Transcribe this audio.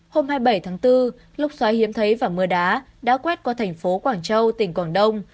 hôm hai mươi bảy tháng bốn lúc xoáy hiếm thấy và mưa đá đã quét qua thành phố quảng châu tỉnh quảng đông